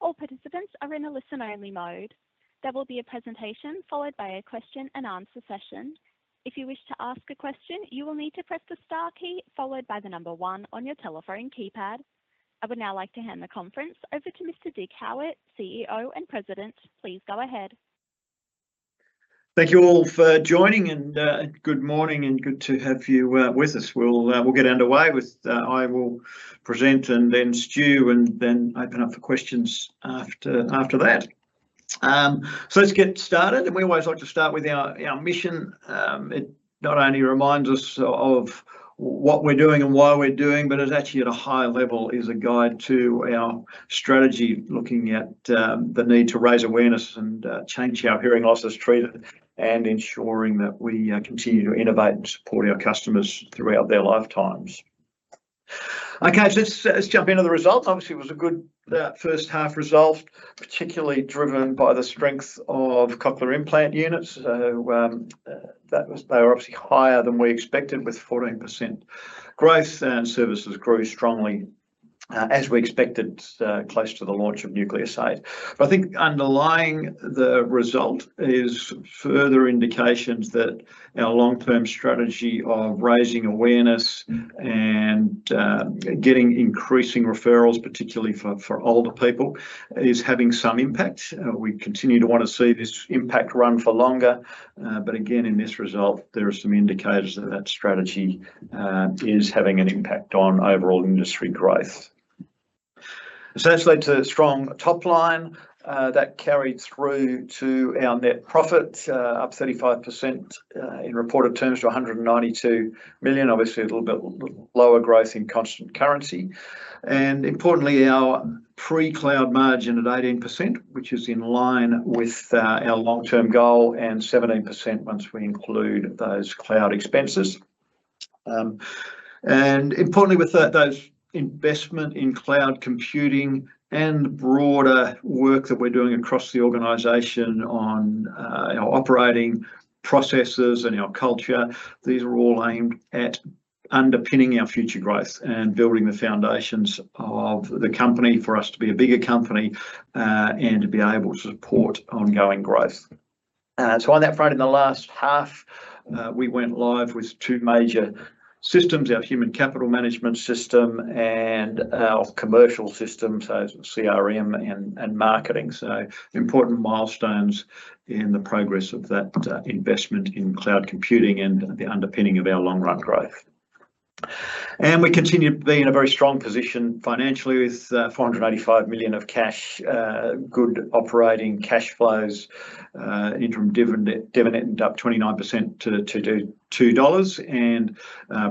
All participants are in a listen-only mode. There will be a presentation, followed by a question-and-answer session. If you wish to ask a question, you will need to press the star key, followed by the number one on your telephone keypad. I would now like to hand the conference over to Mr. Dig Howitt, CEO and President. Please go ahead. Thank you all for joining, and good morning, and good to have you with us. We'll get underway. I will present, and then Stuart, and then open up for questions after that. So let's get started, and we always like to start with our mission. It not only reminds us of what we're doing and why we're doing, but is actually, at a high level, a guide to our strategy, looking at the need to raise awareness, and change how hearing loss is treated, and ensuring that we continue to innovate and support our customers throughout their lifetimes. Okay, so let's jump into the results. Obviously, it was a good first half result, particularly driven by the strength of cochlear implant units. They were obviously higher than we expected, with 14% growth, and services grew strongly, as we expected, close to the launch of Nucleus 8. But I think underlying the result is further indications that our long-term strategy of raising awareness and, getting increasing referrals, particularly for, for older people, is having some impact. We continue to want to see this impact run for longer. But again, in this result, there are some indicators that that strategy, is having an impact on overall industry growth. So that's led to strong top line, that carried through to our net profit, up 35%, in reported terms, to 192 million. Obviously, a little bit little lower growth in constant currency. Importantly, our pre-cloud margin at 18%, which is in line with our long-term goal, and 17% once we include those cloud expenses. Importantly, with that, those investments in cloud computing and broader work that we're doing across the organization on our operating processes and our culture, these are all aimed at underpinning our future growth and building the foundations of the company for us to be a bigger company, and to be able to support ongoing growth. On that front, in the last half, we went live with two major systems: our human capital management system and our commercial system, so CRM and, and marketing, so important milestones in the progress of that investment in cloud computing and the underpinning of our long-run growth. We continue to be in a very strong position financially, with 485 million of cash, good operating cash flows, interim dividend, dividend up 29% to 2 dollars, and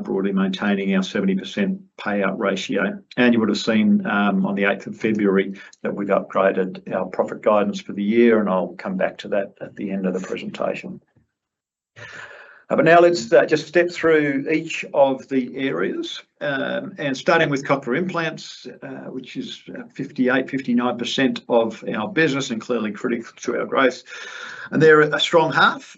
broadly maintaining our 70% payout ratio. You would've seen, on the eighth of February, that we've upgraded our profit guidance for the year, and I'll come back to that at the end of the presentation. But now let's just step through each of the areas, and starting with Cochlear implants, which is 58%-59% of our business and clearly critical to our growth. And they're a strong half.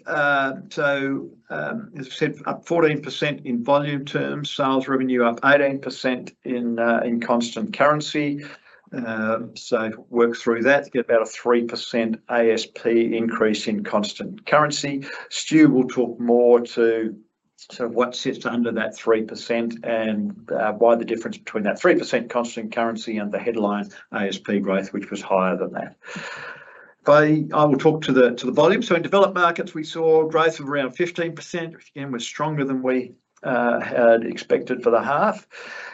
So, as I said, up 14% in volume terms, sales revenue up 18% in constant currency. So work through that to get about a 3% ASP increase in constant currency. Stuart will talk more to, sort of, what sits under that 3% and, why the difference between that 3% constant currency and the headline ASP growth, which was higher than that. But I will talk to the volume. So in developed markets, we saw growth of around 15%, which again, was stronger than we had expected for the half.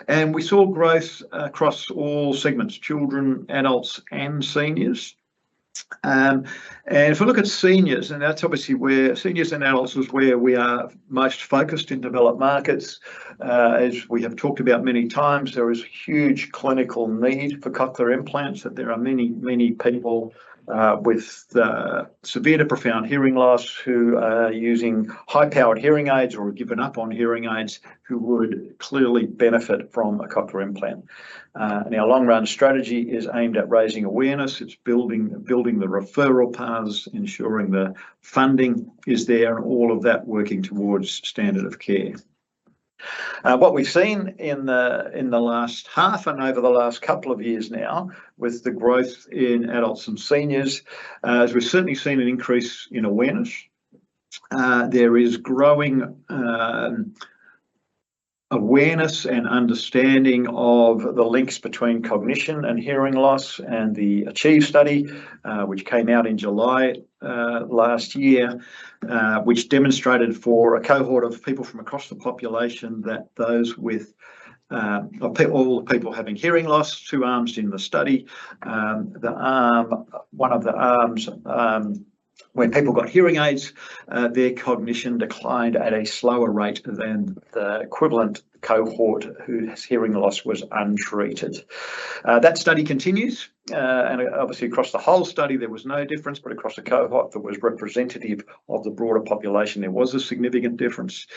And we saw growth across all segments: children, adults, and seniors. And if we look at seniors, and that's obviously where seniors and adults is where we are most focused in developed markets. As we have talked about many times, there is huge clinical need for cochlear implants, that there are many, many people with severe to profound hearing loss, who are using high-powered hearing aids or have given up on hearing aids, who would clearly benefit from a cochlear implant. And our long-run strategy is aimed at raising awareness, it's building, building the referral paths, ensuring the funding is there, and all of that working towards standard of care. What we've seen in the, in the last half, and over the last couple of years now, with the growth in adults and seniors, is we've certainly seen an increase in awareness. There is growing awareness and understanding of the links between cognition and hearing loss, and the ACHIEVE study, which came out in July last year, which demonstrated for a cohort of people from across the population that those with all people having hearing loss, two arms in the study. One of the arms, when people got hearing aids, their cognition declined at a slower rate than the equivalent cohort whose hearing loss was untreated. That study continues, and obviously, across the whole study, there was no difference, but across the cohort that was representative of the broader population, there was a significant difference.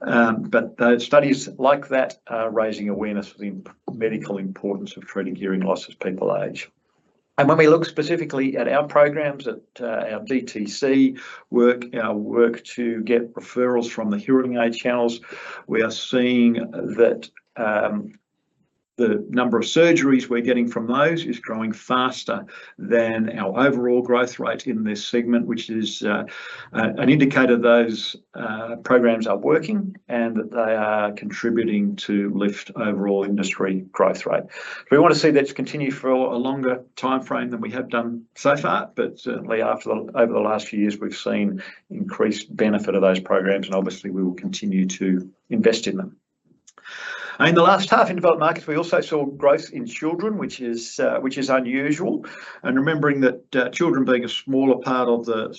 But studies like that are raising awareness of the medical importance of treating hearing loss as people age. When we look specifically at our programs, at our DTC work, our work to get referrals from the hearing aid channels, we are seeing that the number of surgeries we're getting from those is growing faster than our overall growth rate in this segment, which is an indicator those programs are working, and that they are contributing to lift overall industry growth rate. We wanna see that continue for a longer timeframe than we have done so far, but certainly over the last few years, we've seen increased benefit of those programs, and obviously, we will continue to invest in them. In the last half, in developed markets, we also saw growth in children, which is, which is unusual. Remembering that children being a smaller part of the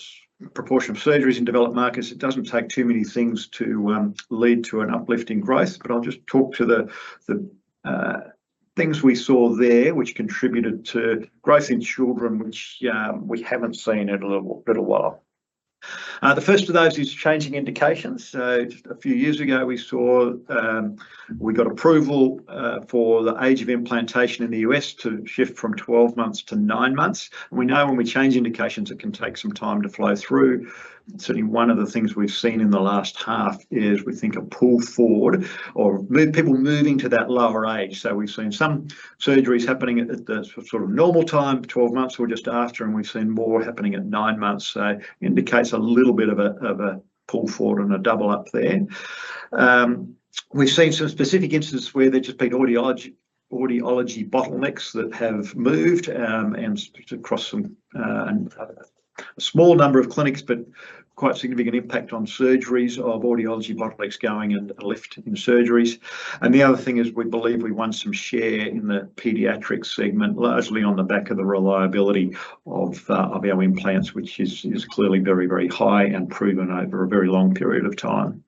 proportion of surgeries in developed markets, it doesn't take too many things to lead to an uplift in growth. But I'll just talk to the things we saw there, which contributed to growth in children, which we haven't seen in a little while. The first of those is changing indications. So a few years ago, we saw we got approval for the age of implantation in the U.S. to shift from 12 months to 9 months. And we know when we change indications, it can take some time to flow through. Certainly, one of the things we've seen in the last half is, we think, a pull forward or people moving to that lower age. So we've seen some surgeries happening at the sort of normal time, 12 months or just after, and we've seen more happening at 9 months, so indicates a little bit of a pull forward and a double-up there. We've seen some specific instances where there's just been audiology bottlenecks that have moved, and across some a small number of clinics, but quite significant impact on surgeries of audiology bottlenecks going and a lift in surgeries. And the other thing is, we believe we won some share in the pediatric segment, largely on the back of the reliability of our implants, which is clearly very, very high and proven over a very long period of time.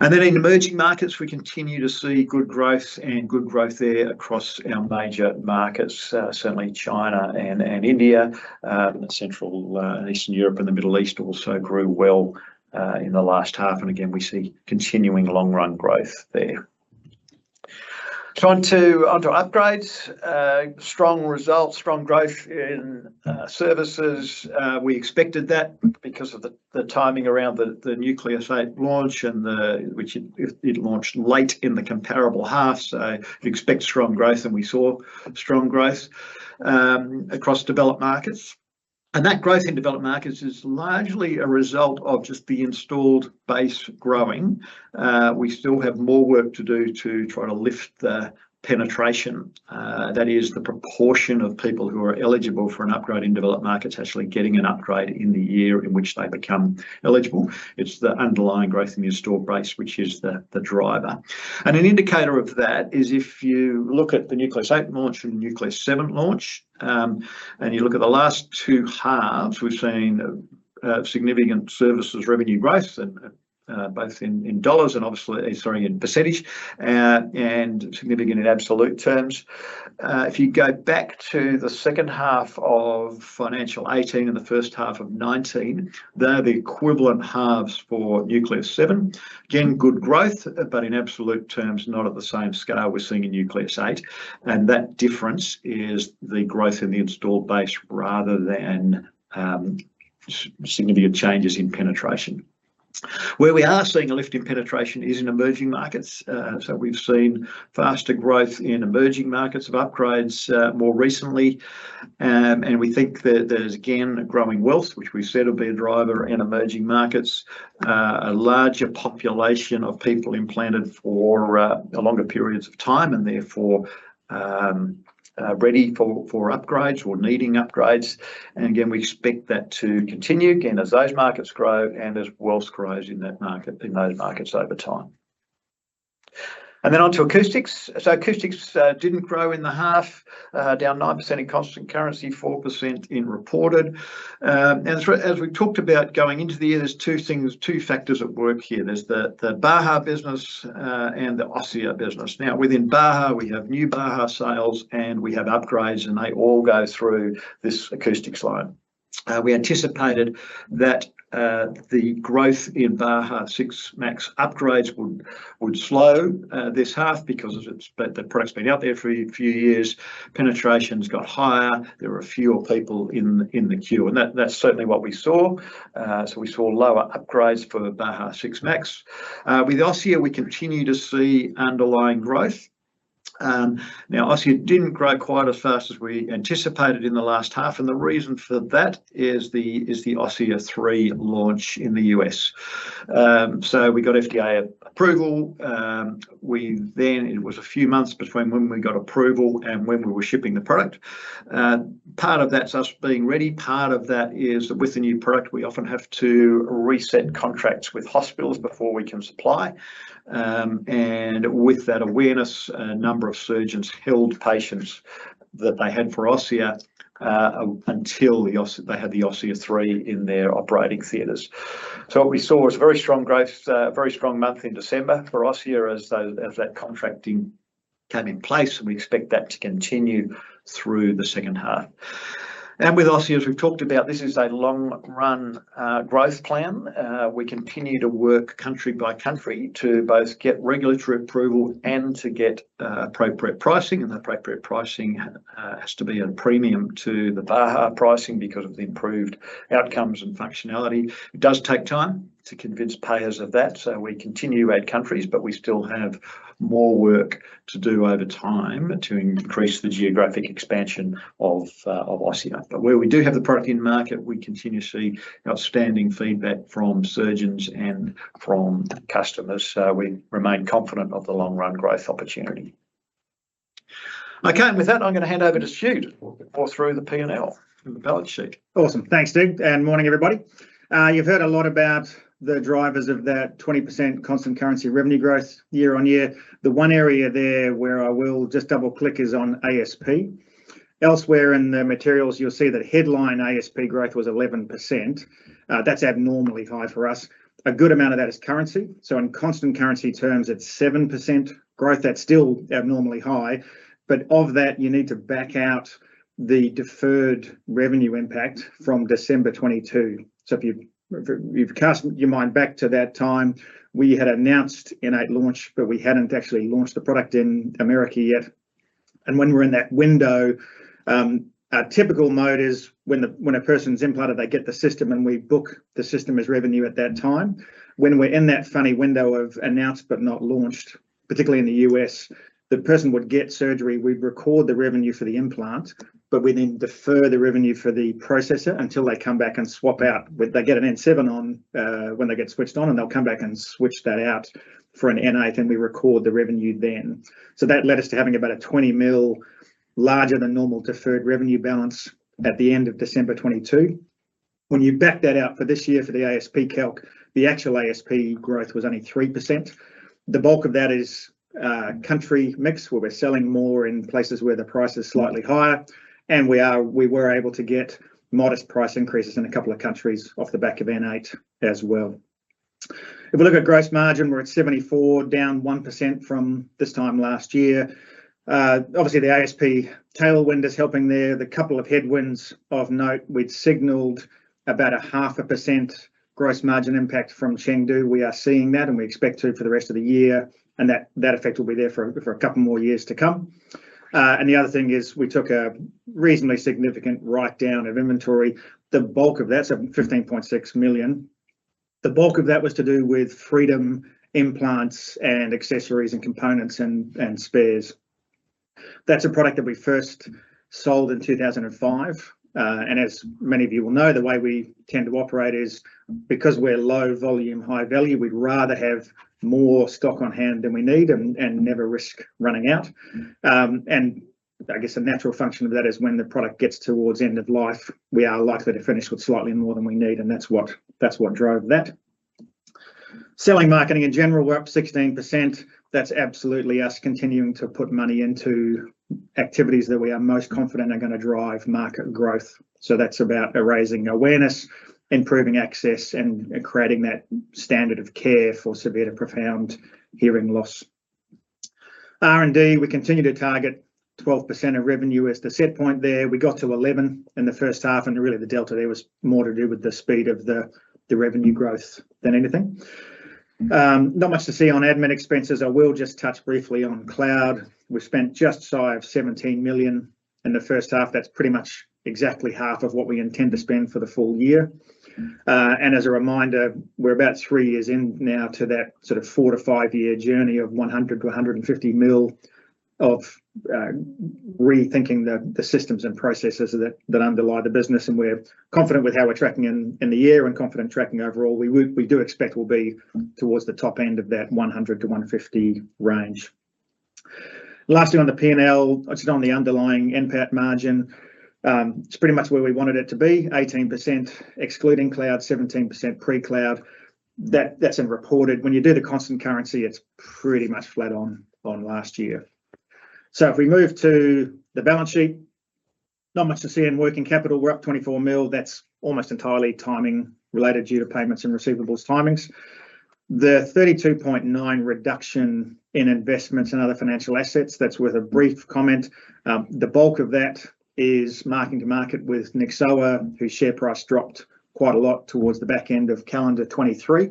And then in emerging markets, we continue to see good growth, and good growth there across our major markets, certainly China and India, and Central and Eastern Europe and the Middle East also grew well, in the last half, and again, we see continuing long-run growth there. So on to upgrades. Strong results, strong growth in services. We expected that because of the timing around the Nucleus 8 launch and the... Which it launched late in the comparable half, so you expect strong growth, and we saw strong growth across developed markets. And that growth in developed markets is largely a result of just the installed base growing. We still have more work to do to try to lift the penetration, that is, the proportion of people who are eligible for an upgrade in developed markets, actually getting an upgrade in the year in which they become eligible. It's the underlying growth in the installed base, which is the driver. And an indicator of that is if you look at the Nucleus 8 launch and the Nucleus 7 launch, and you look at the last two halves, we've seen significant services revenue growth, both in dollars and obviously, sorry, in percentage, and significant in absolute terms. If you go back to the second half of financial 2018 and the first half of 2019, they're the equivalent halves for Nucleus 7. Again, good growth, but in absolute terms, not at the same scale we're seeing in Nucleus 8. And that difference is the growth in the installed base rather than, significant changes in penetration. Where we are seeing a lift in penetration is in emerging markets. So we've seen faster growth in emerging markets of upgrades, more recently. And we think that there's, again, growing wealth, which we said will be a driver in emerging markets. A larger population of people implanted for, longer periods of time and therefore, ready for upgrades or needing upgrades. And again, we expect that to continue, again, as those markets grow and as wealth grows in that market—in those markets over time. And then on to Acoustics. So Acoustics didn't grow in the half, down 9% in constant currency, 4% in reported. And as we talked about going into the year, there's two things, two factors at work here. There's the Baha business and the Osia business. Now, within Baha, we have new Baha sales, and we have upgrades, and they all go through this acoustics line. We anticipated that the growth in Baha 6 Max upgrades would slow this half because the product's been out there for a few years. Penetration's got higher. There are fewer people in the queue, and that's certainly what we saw. So we saw lower upgrades for Baha 6 Max. With Osia, we continue to see underlying growth. Now, Osia didn't grow quite as fast as we anticipated in the last half, and the reason for that is the Osia 3 launch in the U.S. So we got FDA approval. It was a few months between when we got approval and when we were shipping the product. Part of that's us being ready, part of that is with a new product, we often have to reset contracts with hospitals before we can supply. And with that awareness, a number of surgeons held patients that they had for Osia, until they had the Osia 3 in their operating theaters. So what we saw was very strong growth, very strong month in December for Osia as those, as that contracting came in place, and we expect that to continue through the second half. And with Osia, as we've talked about, this is a long-run growth plan. We continue to work country by country to both get regulatory approval and to get appropriate pricing, and appropriate pricing has to be a premium to the Baha pricing because of the improved outcomes and functionality. It does take time to convince payers of that, so we continue to add countries, but we still have more work to do over time to increase the geographic expansion of, of Osia. But where we do have the product in market, we continue to see outstanding feedback from surgeons and from customers, so we remain confident of the long-run growth opportunity. Okay, and with that, I'm gonna hand over to Stuart, who will walk through the P&L and the balance sheet. Awesome. Thanks, Dig, and morning, everybody. You've heard a lot about the drivers of that 20% constant currency revenue growth year-over-year. The one area there where I will just double-click is on ASP. Elsewhere in the materials, you'll see that headline ASP growth was 11%. That's abnormally high for us. A good amount of that is currency, so in constant currency terms, it's 7% growth. That's still abnormally high, but of that, you need to back out the deferred revenue impact from December 2022. So if you, if you cast your mind back to that time, we had announced N8 launch, but we hadn't actually launched the product in America yet, and when we're in that window, our typical mode is when the, when a person's implanted, they get the system, and we book the system as revenue at that time. When we're in that funny window of announced but not launched, particularly in the U.S., the person would get surgery, we'd record the revenue for the implant, but we then defer the revenue for the processor until they come back and swap out. But they get an N7 on when they get switched on, and they'll come back and switch that out for an N8, and we record the revenue then. So that led us to having about an 20 million larger than normal deferred revenue balance at the end of December 2022. When you back that out for this year, for the ASP calc, the actual ASP growth was only 3%. The bulk of that is country mix, where we're selling more in places where the price is slightly higher, and we are—we were able to get modest price increases in a couple of countries off the back of N8 as well. If we look at gross margin, we're at 74, down 1% from this time last year. Obviously, the ASP tailwind is helping there. The couple of headwinds of note, we'd signaled about a 0.5% gross margin impact from Chengdu. We are seeing that, and we expect to for the rest of the year, and that effect will be there for a couple more years to come. And the other thing is we took a reasonably significant write-down of inventory. The bulk of that, so 15.6 million, the bulk of that was to do with Freedom implants and accessories, and components, and spares. That's a product that we first sold in 2005, and as many of you will know, the way we tend to operate is, because we're low volume, high value, we'd rather have more stock on hand than we need and never risk running out. And I guess a natural function of that is when the product gets towards end of life, we are likely to finish with slightly more than we need, and that's what drove that. Selling, marketing in general, we're up 16%. That's absolutely us continuing to put money into activities that we are most confident are gonna drive market growth. So that's about raising awareness, improving access, and creating that standard of care for severe to profound hearing loss. R&D, we continue to target 12% of revenue as the set point there. We got to 11 in the first half, and really, the delta there was more to do with the speed of the revenue growth than anything. Not much to see on admin expenses. I will just touch briefly on CapEx. We've spent just shy of 17 million in the first half. That's pretty much exactly half of what we intend to spend for the full year. And as a reminder, we're about 3 years in now to that sort of 4- to 5-year journey of 100 million-150 million of rethinking the systems and processes that underlie the business, and we're confident with how we're tracking in the year and confident tracking overall. We would- we do expect we'll be towards the top end of that 100-150 range. Lastly, on the P&L, just on the underlying NPAT margin, it's pretty much where we wanted it to be, 18%, excluding cloud, 17% pre-cloud. That's in reported. When you do the constant currency, it's pretty much flat on last year. So if we move to the balance sheet, not much to see in working capital. We're up 24 million. That's almost entirely timing related due to payments and receivables timings. The 32.9 reduction in investments and other financial assets, that's worth a brief comment. The bulk of that is mark-to-market with Nyxoah, whose share price dropped quite a lot towards the back end of calendar 2023.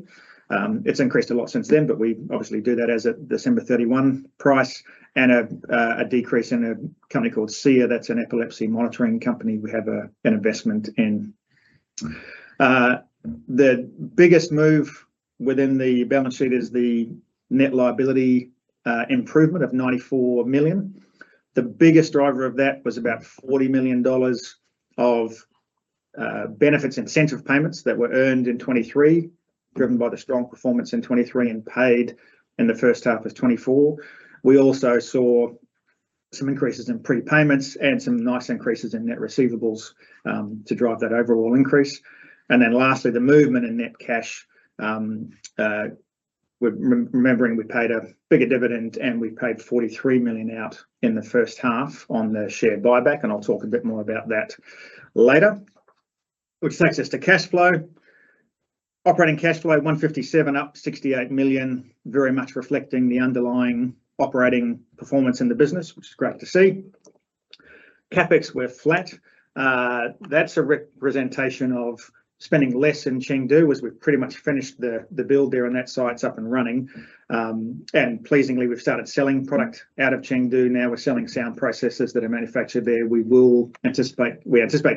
It's increased a lot since then, but we obviously do that as a December 31 price, and a decrease in a company called Seer Medical. That's an epilepsy monitoring company we have an investment in. The biggest move within the balance sheet is the net liability improvement of 94 million. The biggest driver of that was about 40 million dollars of benefits and incentive payments that were earned in 2023, driven by the strong performance in 2023 and paid in the first half of 2024. We also saw some increases in prepayments and some nice increases in net receivables, to drive that overall increase. Then lastly, the movement in net cash, remembering we paid a bigger dividend, and we paid 43 million out in the first half on the share buyback, and I'll talk a bit more about that later. Which takes us to cash flow. Operating cash flow, 157 million, up 68 million, very much reflecting the underlying operating performance in the business, which is great to see. CapEx, we're flat. That's a representation of spending less in Chengdu, as we've pretty much finished the build there, and that site's up and running. And pleasingly, we've started selling product out of Chengdu now. We're selling sound processors that are manufactured there. We anticipate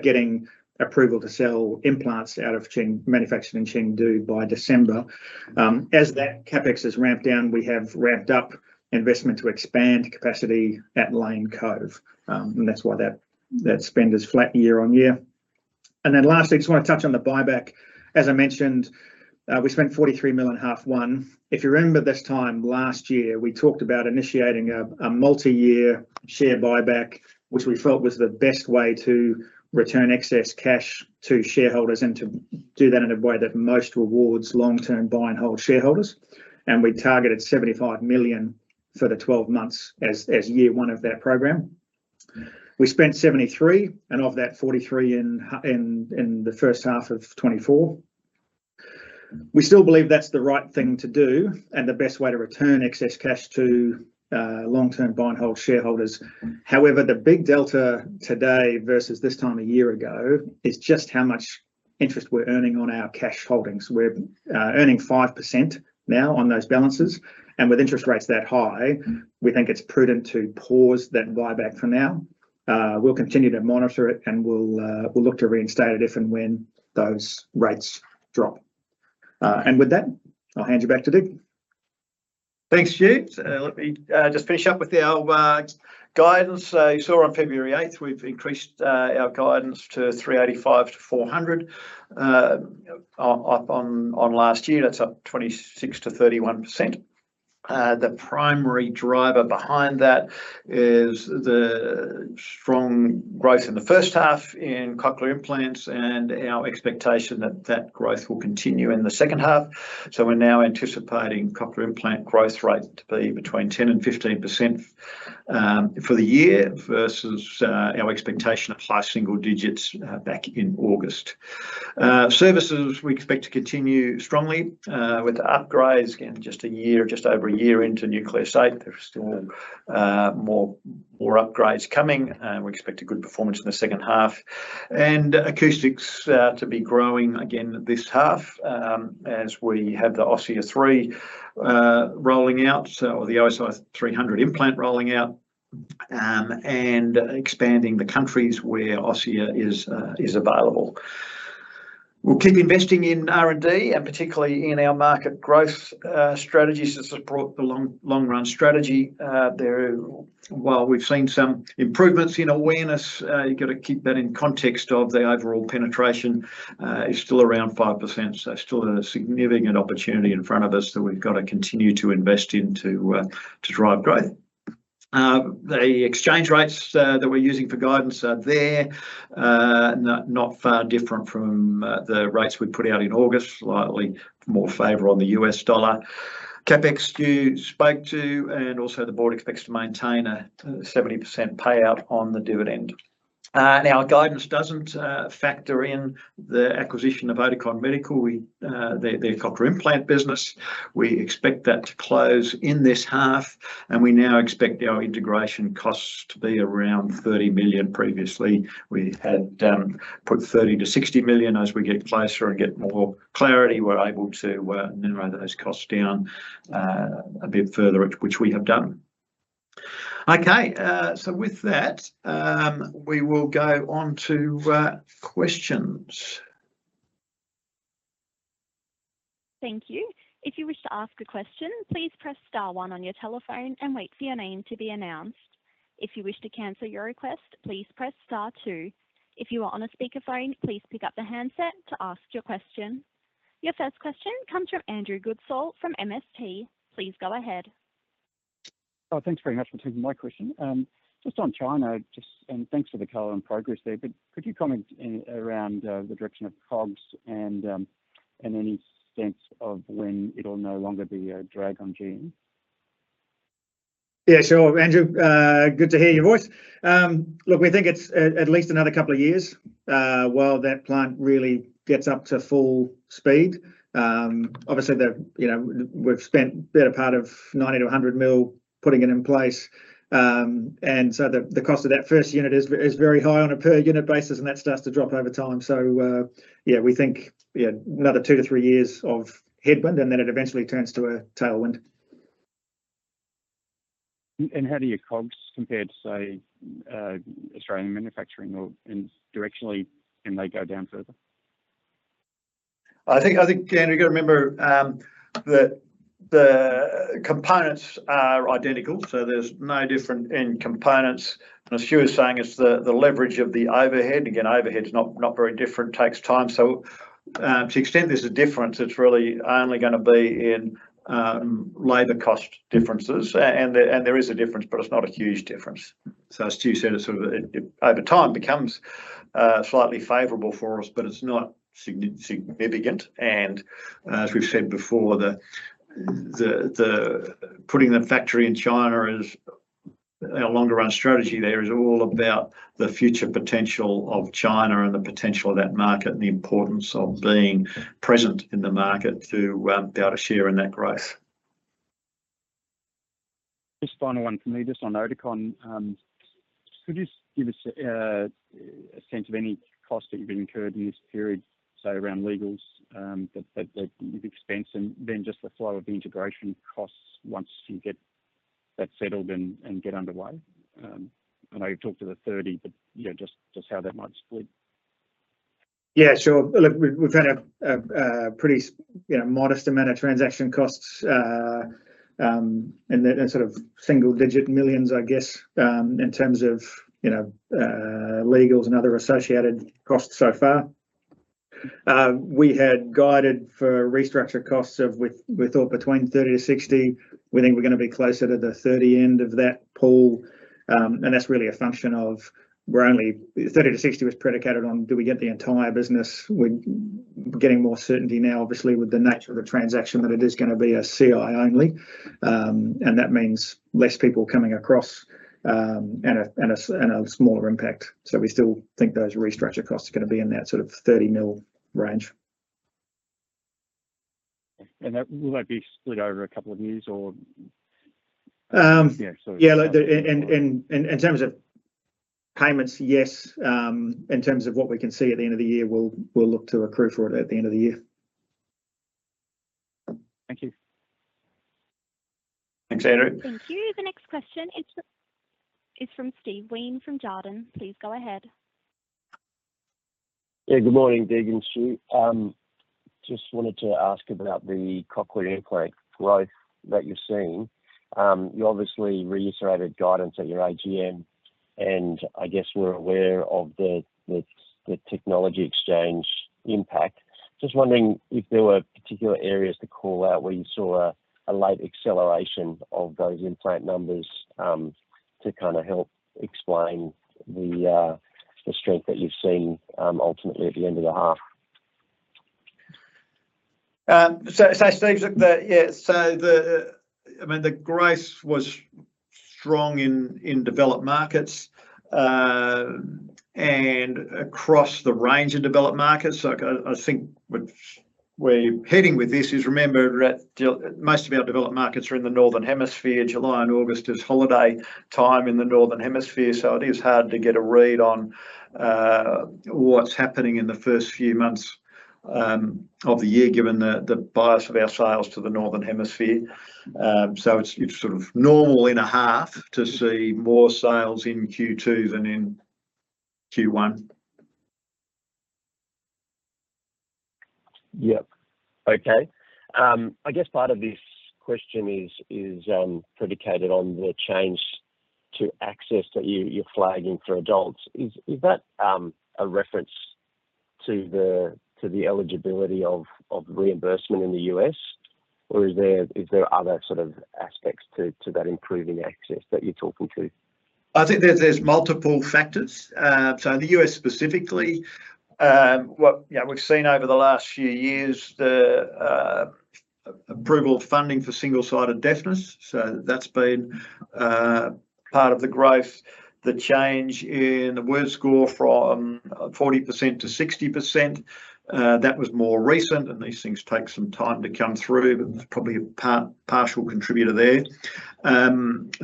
getting approval to sell implants out of Chengdu, manufactured in Chengdu by December. As that CapEx is ramped down, we have ramped up investment to expand capacity at Lane Cove. That's why that spend is flat year-on-year. And then lastly, just wanna touch on the buyback. As I mentioned, we spent 43 million in half one. If you remember this time last year, we talked about initiating a multi-year share buyback, which we felt was the best way to return excess cash to shareholders, and to do that in a way that most rewards long-term buy-and-hold shareholders, and we targeted 75 million for the 12 months as year one of that program. We spent 73 million, and of that, 43 million in the first half of 2024. We still believe that's the right thing to do, and the best way to return excess cash to long-term buy-and-hold shareholders. However, the big delta today versus this time a year ago is just how much interest we're earning on our cash holdings. We're earning 5% now on those balances, and with interest rates that high, we think it's prudent to pause that buyback for now. We'll continue to monitor it, and we'll look to reinstate it if and when those rates drop. And with that, I'll hand you back to Dig. Thanks, Stuart. Let me just finish up with our guidance. You saw on February 8th, we've increased our guidance to 385-400, up on last year. That's up 26%-31%. The primary driver behind that is the strong growth in the first half in cochlear implants, and our expectation that that growth will continue in the second half. So we're now anticipating cochlear implant growth rate to be between 10% and 15%, for the year, versus our expectation of high single digits, back in August. Services, we expect to continue strongly, with upgrades. Again, just over a year into Nucleus 8, there are still more upgrades coming, and we expect a good performance in the second half. Acoustics to be growing again this half, as we have the Osia 3 rolling out, so the Osia 300 implant rolling out, and expanding the countries where Osia is available. We'll keep investing in R&D, and particularly in our market growth strategies to support the long, long-run strategy. While we've seen some improvements in awareness, you've got to keep that in context of the overall penetration is still around 5%, so still a significant opportunity in front of us that we've got to continue to invest in to drive growth. The exchange rates that we're using for guidance are there. Not far different from the rates we put out in August, slightly more favor on the US dollar. CapEx, Stuart spoke to, and also the board expects to maintain a 70% payout on the dividend. Now, our guidance doesn't factor in the acquisition of Oticon Medical, their cochlear implant business. We expect that to close in this half, and we now expect our integration costs to be around 30 million. Previously, we had put 30 million-60 million. As we get closer and get more clarity, we're able to narrow those costs down a bit further, which we have done. Okay, so with that, we will go on to questions. Thank you. If you wish to ask a question, please press star one on your telephone and wait for your name to be announced. If you wish to cancel your request, please press star two. If you are on a speakerphone, please pick up the handset to ask your question. Your first question comes from Andrew Goodsall from MST. Please go ahead. Oh, thanks very much for taking my question. Just on China, and thanks for the color and progress there, but could you comment around the direction of COGS and any sense of when it'll no longer be a drag on GM? Yeah, sure, Andrew. Good to hear your voice. Look, we think it's at least another couple of years while that plant really gets up to full speed. Obviously, you know, we've spent the better part of 90 million-100 million putting it in place. And so the cost of that first unit is very high on a per-unit basis, and that starts to drop over time. So, yeah, we think, yeah, another 2-3 years of headwind, and then it eventually turns to a tailwind. How do your COGS compare to, say, Australian manufacturing or and directionally, can they go down further? I think, Andrew, you've got to remember that the components are identical, so there's no difference in components. And as Stuart was saying, it's the leverage of the overhead. Again, overhead's not very different, takes time, so to the extent there's a difference, it's really only gonna be in labor cost differences. And there is a difference, but it's not a huge difference. So as Stuart said, it sort of over time becomes slightly favorable for us, but it's not significant, and as we've said before, the putting the factory in China is our longer run strategy there is all about the future potential of China and the potential of that market, and the importance of being present in the market to be able to share in that growth. Just final one from me, just on Oticon. Could you just give us a sense of any cost that you've incurred in this period, say, around legals, that you've expensed, and then just the flow of the integration costs once you get that settled and get underway? I know you've talked to the 30, but, you know, just, just how that might split. Yeah, sure. Look, we've had a pretty, you know, modest amount of transaction costs, and they're sort of AUD single-digit millions, I guess, in terms of, you know, legals and other associated costs so far. We had guided for restructure costs of, we thought, 30 million-60 million. We think we're gonna be closer to the 30 million end of that pool. And that's really a function of 30 million-60 million was predicated on do we get the entire business. We're getting more certainty now, obviously, with the nature of the transaction, that it is gonna be a CI only. And that means less people coming across, and a smaller impact. So we still think those restructure costs are gonna be in that sort of AUD 30 million range. That will maybe be split over a couple of years or, yeah, sorry- Yeah, like in terms of payments, yes. In terms of what we can see at the end of the year, we'll look to accrue for it at the end of the year. Thank you. Thanks, Andrew. Thank you. The next question is from Steve Wheen from Jarden. Please go ahead. Yeah, good morning, David and Stuart. Just wanted to ask about the Cochlear implant growth that you're seeing. You obviously reiterated guidance at your AGM, and I guess we're aware of the FX impact. Just wondering if there were particular areas to call out where you saw a late acceleration of those implant numbers, to kind of help explain the strength that you've seen, ultimately at the end of the half? So, Steve, look, yeah, so the, I mean, the growth was strong in developed markets, and across the range of developed markets. Like, I think what we're heading with this is, remember, that most of our developed markets are in the Northern Hemisphere. July and August is holiday time in the Northern Hemisphere, so it is hard to get a read on what's happening in the first few months of the year, given the bias of our sales to the Northern Hemisphere. So it's sort of normal in a half to see more sales in Q2 than in Q1. Yep. Okay. I guess part of this question is predicated on the change to access that you're flagging for adults. Is that a reference to the eligibility of reimbursement in the U.S., or is there other sort of aspects to that improving access that you're talking to? I think there's multiple factors. So in the U.S. specifically, what, you know, we've seen over the last few years, the approval of funding for single-sided deafness, so that's been part of the growth. The change in the word rec score from 40%-60%, that was more recent, and these things take some time to come through, but there's probably a partial contributor there.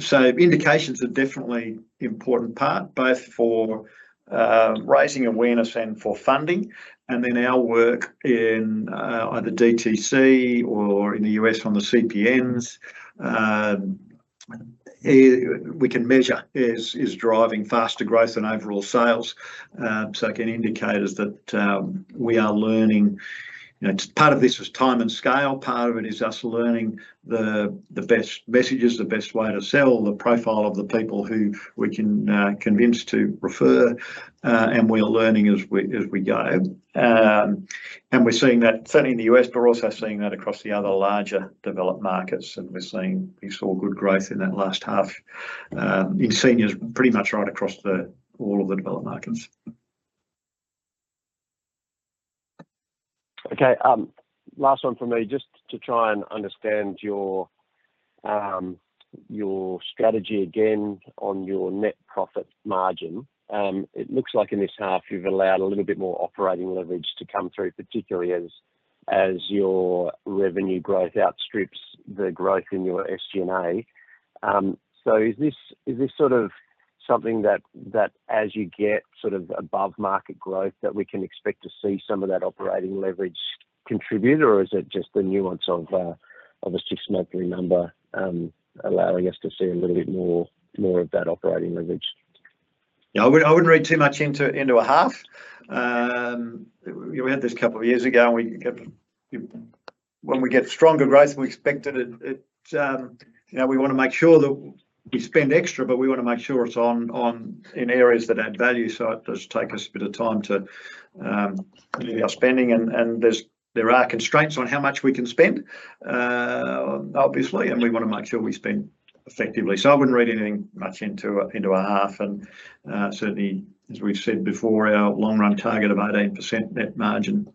So indications are definitely important part, both for raising awareness and for funding, and then our work in either DTC or in the U.S. on the CPNs. We can measure is driving faster growth than overall sales. So it can indicate is that we are learning... You know, part of this was time and scale, part of it is us learning the best messages, the best way to sell, the profile of the people who we can convince to refer, and we are learning as we go. We're seeing that certainly in the U.S., but we're also seeing that across the other larger developed markets, and we're seeing, we saw good growth in that last half in seniors, pretty much right across all of the developed markets. Okay, last one for me. Just to try and understand your strategy again on your net profit margin. It looks like in this half you've allowed a little bit more operating leverage to come through, particularly as your revenue growth outstrips the growth in your SG&A. So is this sort of something that as you get sort of above-market growth, that we can expect to see some of that operating leverage contribute, or is it just the nuance of a six-monthly number allowing us to see a little bit more of that operating leverage? Yeah, I wouldn't read too much into a half. We had this a couple of years ago, and we got... When we get stronger growth than we expected, it, you know, we want to make sure that we spend extra, but we want to make sure it's on in areas that add value. So it does take us a bit of time to move our spending. And there are constraints on how much we can spend, obviously, and we want to make sure we spend effectively. So I wouldn't read anything much into a half. And certainly, as we've said before, our long-run target of 18% net margin,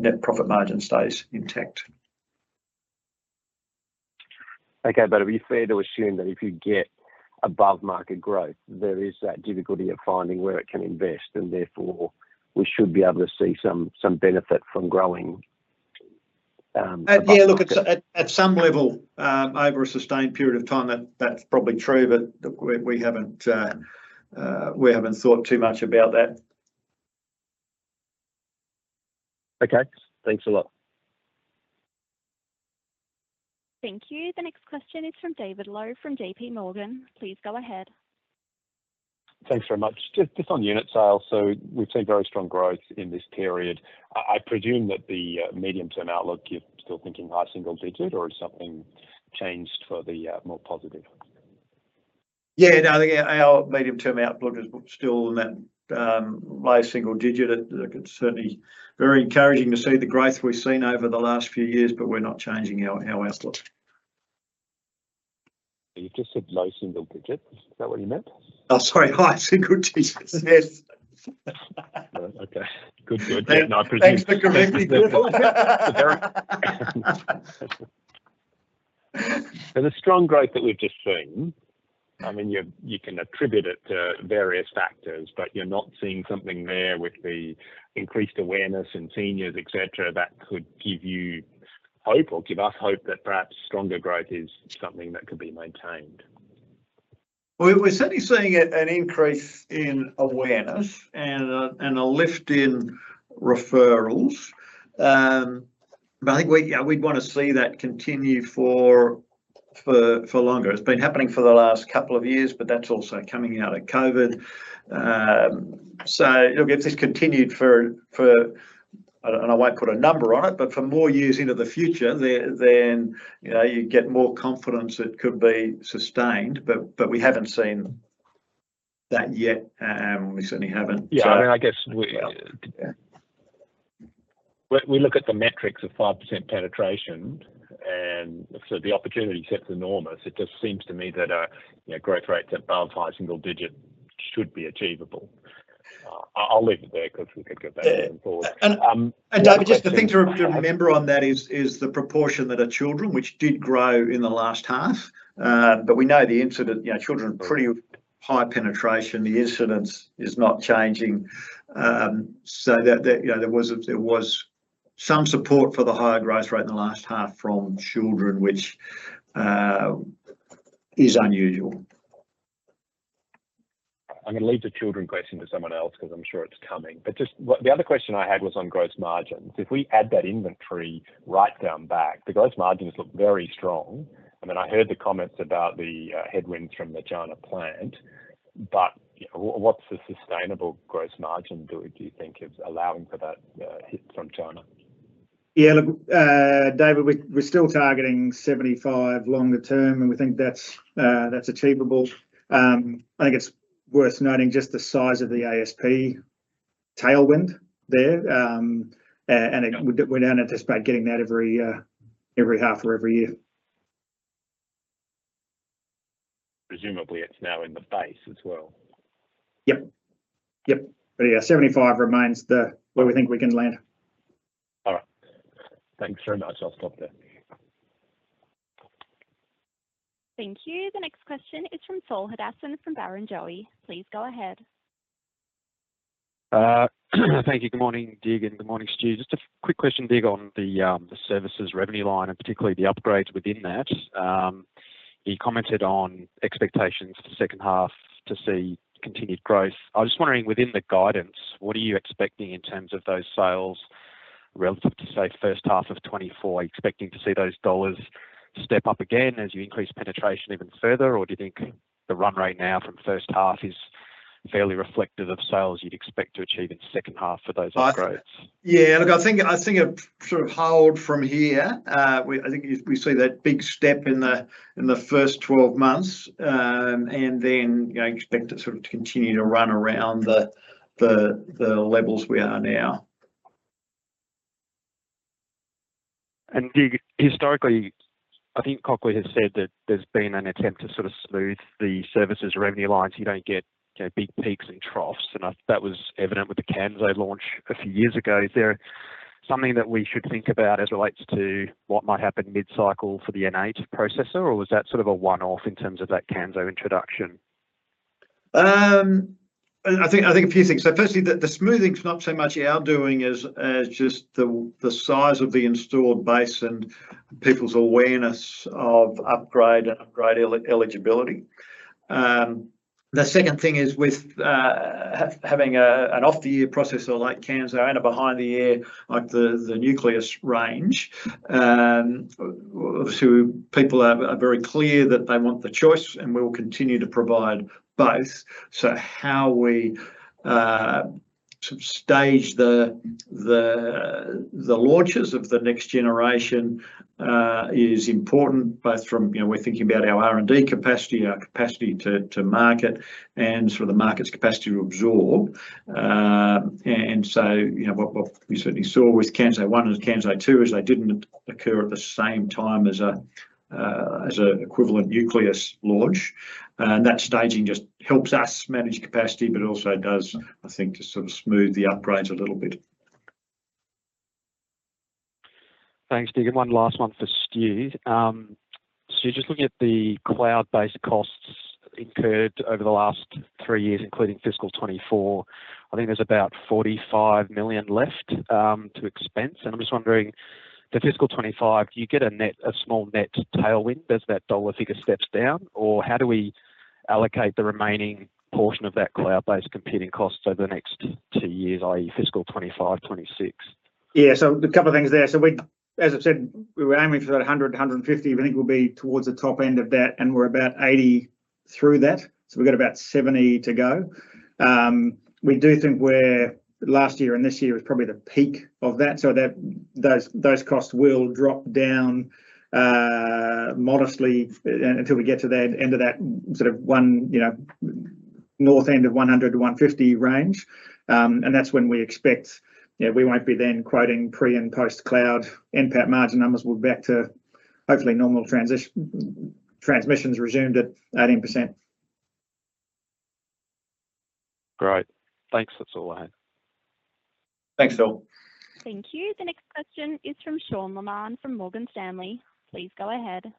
net profit margin stays intact. ... Okay, but are we fair to assume that if you get above market growth, there is that difficulty of finding where it can invest, and therefore, we should be able to see some benefit from growing, above- Yeah, look, at some level, over a sustained period of time, that's probably true, but we haven't thought too much about that. Okay. Thanks a lot. Thank you. The next question is from David Low, from JPMorgan. Please go ahead. Thanks very much. Just, just on unit sales, so we've seen very strong growth in this period. I, I presume that the medium-term outlook, you're still thinking high single digit, or has something changed for the more positive? Yeah, no, I think our medium-term outlook is still in that low single digit. It, look, it's certainly very encouraging to see the growth we've seen over the last few years, but we're not changing our outlook. You've just said low single digit. Is that what you meant? Oh, sorry, high single digit. Yes. Okay. Good, good. Thanks for correcting me, David. So the strong growth that we've just seen, I mean, you can attribute it to various factors, but you're not seeing something there with the increased awareness in seniors, et cetera, that could give you hope, or give us hope, that perhaps stronger growth is something that could be maintained? Well, we're certainly seeing an increase in awareness, and a lift in referrals. But I think we, yeah, we'd want to see that continue for longer. It's been happening for the last couple of years, but that's also coming out of COVID. So look, if this continued for, and I won't put a number on it, but for more years into the future, then, you know, you'd get more confidence it could be sustained. But we haven't seen that yet, we certainly haven't. Yeah, I mean, I guess we- Yeah... we look at the metrics of 5% penetration, and so the opportunity set's enormous. It just seems to me that, you know, growth rates above high single digit should be achievable. I'll leave it there, 'cause we could go back and forth. Yeah. Um- And David, just the thing to remember on that is the proportion that are children, which did grow in the last half. But we know the incidence. You know, children are pretty high penetration, the incidence is not changing. So that, you know, there was some support for the higher growth rate in the last half from children, which is unusual. I'm gonna leave the children question to someone else, 'cause I'm sure it's coming. But just, what, the other question I had was on gross margins. If we add that inventory write-down back, the gross margins look very strong. I mean, I heard the comments about the headwinds from the China plant, but, you know, what's the sustainable gross margin do you, do you think is allowing for that hit from China? Yeah, look, David, we're still targeting 75 longer term, and we think that's achievable. I think it's worth noting just the size of the ASP tailwind there, and we're now anticipate getting that every half or every year. Presumably, it's now in the base as well? Yep, yep. But, yeah, 75 remains the, where we think we can land. All right. Thanks very much. I'll stop there. Thank you. The next question is from Saul Hadassin, from Barrenjoey. Please go ahead. Thank you. Good morning, Dig, and good morning, Stuart. Just a quick question, Dig, on the services revenue line, and particularly the upgrades within that. You commented on expectations for the second half to see continued growth. I was just wondering, within the guidance, what are you expecting in terms of those sales relative to, say, first half of 2024? Are you expecting to see those dollars step up again as you increase penetration even further, or do you think the run rate now from first half is fairly reflective of sales you'd expect to achieve in second half for those upgrades? Yeah, look, I think it sort of holds from here. We, I think you see that big step in the first 12 months. And then, you know, expect it sort of to continue to run around the levels we are now. Dig, historically, I think Cochlear has said that there's been an attempt to sort of smooth the services revenue lines. You don't get, you know, big peaks and troughs, and that was evident with the Kanso launch a few years ago. Is there something that we should think about as it relates to what might happen mid-cycle for the N8 processor, or was that sort of a one-off in terms of that Kanso introduction? I think, I think a few things. So firstly, the smoothing's not so much our doing as just the size of the installed base and people's awareness of upgrade and upgrade eligibility. The second thing is with having an off-the-ear processor like Kanso, and a behind-the-ear, like the Nucleus range, so people are very clear that they want the choice, and we will continue to provide both. So how we sort of stage the launches of the next generation is important, both from, you know, we're thinking about our R&D capacity, our capacity to market, and so the market's capacity to absorb. So, you know, what we certainly saw with Kanso 1 and Kanso 2 is they didn't occur at the same time as a equivalent Nucleus launch. And that staging just helps us manage capacity, but it also does, I think, just sort of smooth the upgrades a little bit. Thanks, Dig, and one last one for Stuart. So just looking at the cloud-based computing costs incurred over the last three years, including fiscal 2024, I think there's about 45 million left to expense, and I'm just wondering, for fiscal 2025, do you get a net, a small net tailwind as that dollar figure steps down? Or how do we allocate the remaining portion of that cloud-based computing costs over the next two years, i.e., fiscal 2025, 2026? Yeah, so a couple of things there. So we, as I said, we were aiming for about 100-150. I think we'll be towards the top end of that, and we're about 80 through that, so we've got about 70 to go. We do think we're, last year and this year is probably the peak of that, so that those costs will drop down modestly until we get to the end of that sort of one, you know, north end of 100-150 range. And that's when we expect, yeah, we won't be then quoting pre- and post-cloud NPAT margin numbers. We're back to hopefully normal transmissions resumed at 18%. Great. Thanks. That's all I had. Thanks, Saul. Thank you. The next question is from Sean Laaman from Morgan Stanley. Please go ahead.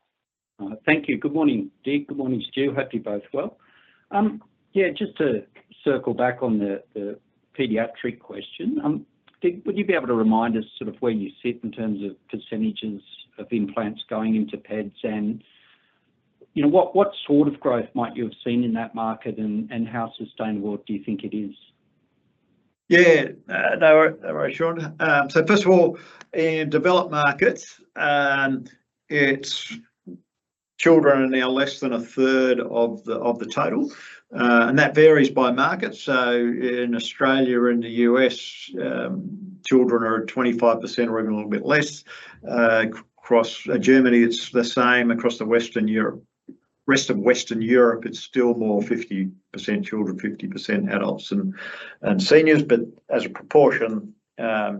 Thank you. Good morning, Dig. Good morning, Stuart. Hope you're both well. Yeah, just to circle back on the pediatric question, Dig, would you be able to remind us sort of where you sit in terms of percentages of implants going into peds? And, you know, what sort of growth might you have seen in that market, and how sustainable do you think it is? Yeah. No, all right, Sean. So first of all, in developed markets, and it's children are now less than a third of the, of the total, and that varies by market. So in Australia and the U.S., children are at 25% or even a little bit less. Across Germany, it's the same. Across Western Europe, rest of Western Europe, it's still more 50% children, 50% adults and, and seniors. But as a proportion,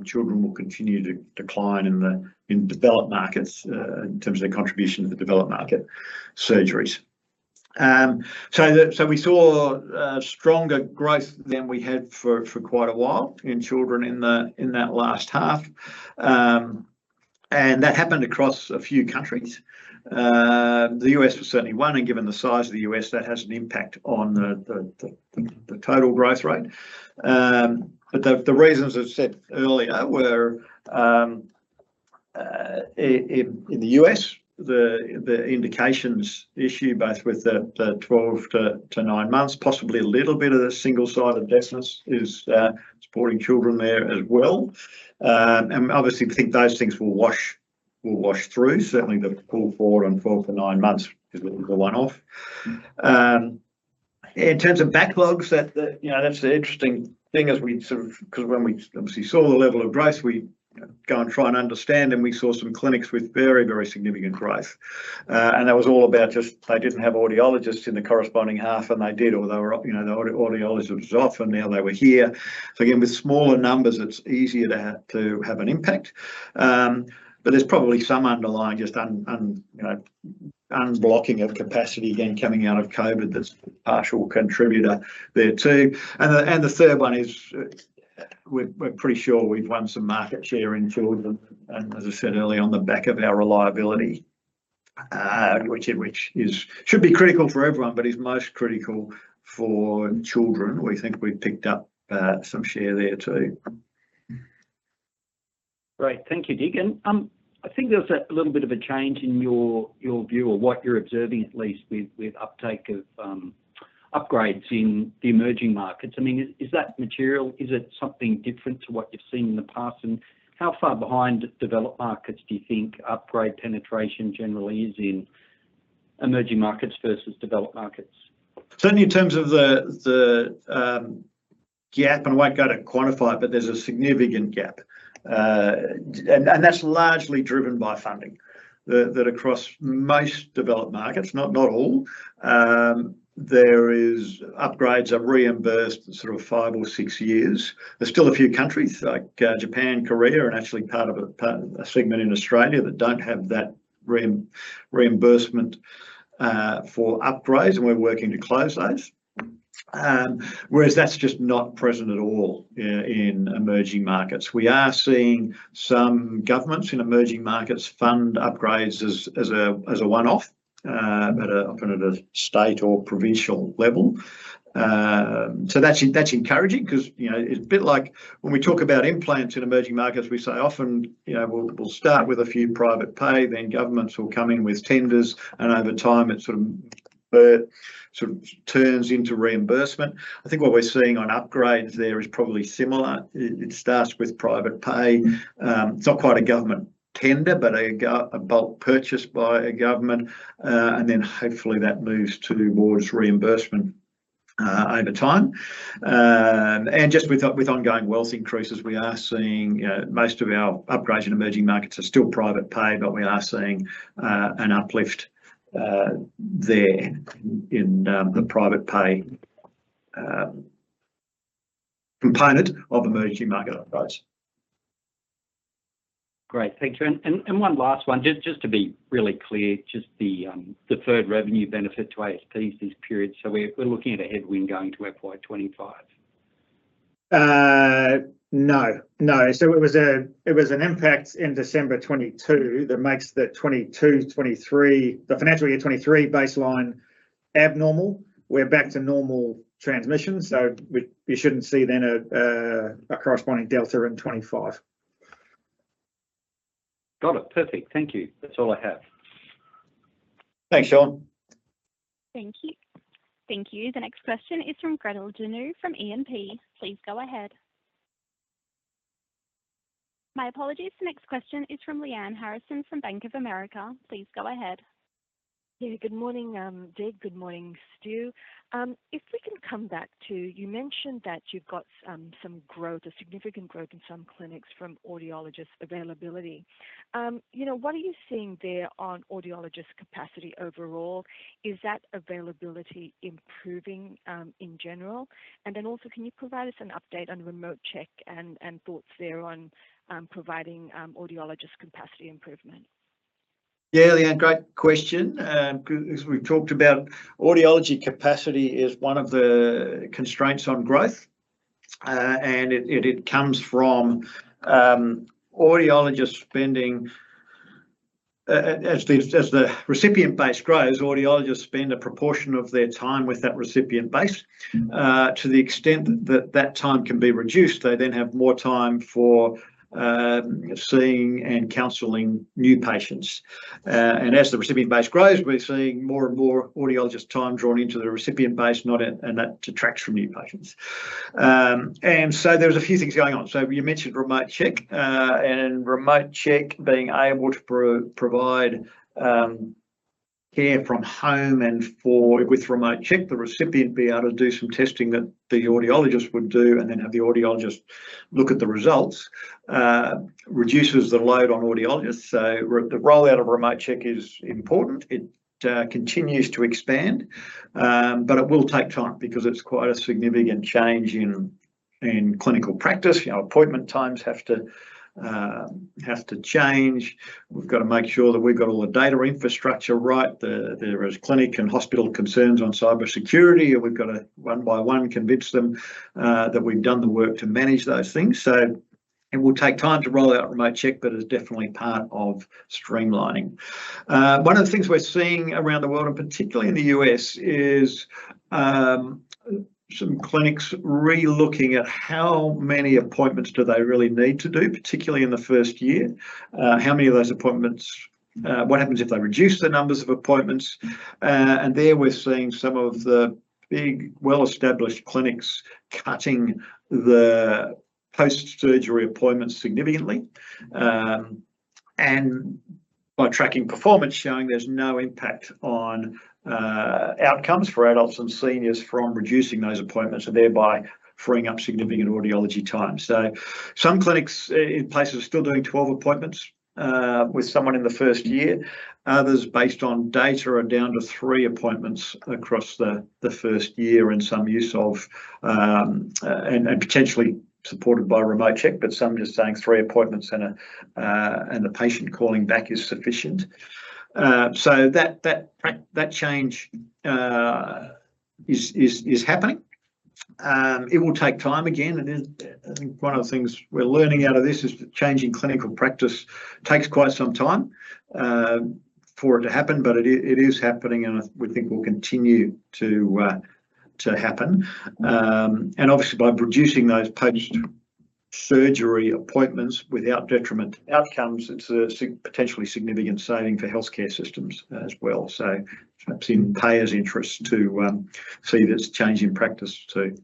children will continue to decline in the, in developed markets, in terms of their contribution to the developed market surgeries. So the, so we saw stronger growth than we had for, for quite a while in children in the, in that last half. And that happened across a few countries. The U.S. was certainly one, and given the size of the U.S., that has an impact on the total growth rate. But the reasons I've said earlier were in the U.S., the indications issue, both with the 12- to 9-month, possibly a little bit of the single-sided deafness, is supporting children there as well. And obviously, we think those things will wash through. Certainly, the pull forward on 4- to 9-month is a little bit of a one-off. In terms of backlogs, you know, that's the interesting thing as we sort of— 'cause when we obviously saw the level of growth, we go and try and understand, and we saw some clinics with very, very significant growth. And that was all about just they didn't have audiologists in the corresponding half, and they did, or they were, you know, the audiologist was off and now they were here. So again, with smaller numbers, it's easier to have an impact. But there's probably some underlying, just unblocking of capacity again, coming out of COVID that's a partial contributor there, too. And the third one is, we're pretty sure we've won some market share in children, and as I said earlier, on the back of our reliability, which should be critical for everyone, but is most critical for children. We think we've picked up some share there, too. Great. Thank you, Dig, and I think there's a little bit of a change in your view of what you're observing, at least with uptake of upgrades in the emerging markets. I mean, is that material, is it something different to what you've seen in the past? And how far behind developed markets do you think upgrade penetration generally is in emerging markets versus developed markets? Certainly, in terms of the gap, and I won't go to quantify it, but there's a significant gap. And that's largely driven by funding. That across most developed markets, not all, there is. Upgrades are reimbursed sort of five or six years. There's still a few countries, like Japan, Korea, and actually part of a segment in Australia, that don't have that reimbursement for upgrades, and we're working to close those. Whereas that's just not present at all in emerging markets. We are seeing some governments in emerging markets fund upgrades as a one-off, often at a state or provincial level. So that's, that's encouraging 'cause, you know, it's a bit like when we talk about implants in emerging markets, we say often, you know, we'll, we'll start with a few private pay, then governments will come in with tenders, and over time, it sort of, sort of turns into reimbursement. I think what we're seeing on upgrades there is probably similar. It, it starts with private pay. It's not quite a government tender, but a bulk purchase by a government, and then hopefully that moves towards reimbursement, over time. And just with ongoing wealth increases, we are seeing, most of our upgrades in emerging markets are still private pay, but we are seeing, an uplift, there in, the private pay, component of emerging market upgrades. Great, thank you. And one last one, just to be really clear, just the deferred revenue benefit to ASP this period. So we're looking at a headwind going to FY 2025?... No, no. So it was an impact in December 2022 that makes the 2022/2023 financial year 2023 baseline abnormal. We're back to normal transmissions, so we shouldn't see then a corresponding delta in 2025. Got it. Perfect. Thank you. That's all I have. Thanks, Sean. Thank you. Thank you. The next question is from Gretel Janu from E&P Financial Group. Please go ahead. My apologies, the next question is from Lyanne Harrison from Bank of America. Please go ahead. Yeah. Good morning, Dave. Good morning, Stuart. If we can come back to, you mentioned that you've got some growth, a significant growth in some clinics from audiologist availability. You know, what are you seeing there on audiologist capacity overall? Is that availability improving in general? And then also, can you provide us an update on Remote Check and thoughts there on providing audiologist capacity improvement? Yeah, Lyanne, great question. As we've talked about, audiology capacity is one of the constraints on growth. And it comes from audiologists spending. As the recipient base grows, audiologists spend a proportion of their time with that recipient base. To the extent that that time can be reduced, they then have more time for seeing and counseling new patients. And as the recipient base grows, we're seeing more and more audiologist time drawn into the recipient base, not in, and that detracts from new patients. And so there's a few things going on. So you mentioned Remote Check, and Remote Check, being able to provide care from home. With Remote Check, the recipient would be able to do some testing that the audiologist would do, and then have the audiologist look at the results, reduces the load on audiologists. So the rollout of Remote Check is important. It continues to expand, but it will take time because it's quite a significant change in clinical practice. You know, appointment times have to change. We've got to make sure that we've got all the data infrastructure right. There is clinic and hospital concerns on cybersecurity, and we've got to one by one convince them that we've done the work to manage those things. So it will take time to roll out Remote Check, but it's definitely part of streamlining. One of the things we're seeing around the world, and particularly in the U.S., is some clinics re-looking at how many appointments do they really need to do, particularly in the first year. How many of those appointments, what happens if they reduce the numbers of appointments? And there we're seeing some of the big, well-established clinics cutting the post-surgery appointments significantly. And by tracking performance, showing there's no impact on outcomes for adults and seniors from reducing those appointments, and thereby freeing up significant audiology time. So some clinics in places are still doing 12 appointments with someone in the first year. Others, based on data, are down to three appointments across the first year and some use of and potentially supported by Remote Check, but some are just saying three appointments and the patient calling back is sufficient. So that change is happening. It will take time, again, and then, I think one of the things we're learning out of this is that changing clinical practice takes quite some time for it to happen, but it is happening, and we think will continue to happen. And obviously, by reducing those post-surgery appointments without detriment to outcomes, it's a potentially significant saving for healthcare systems as well. So perhaps in payers' interest to see this change in practice, too.